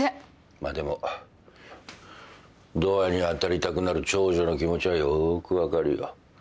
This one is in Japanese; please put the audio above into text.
まあでもドアに当たりたくなる長女の気持ちはよーく分かるよ。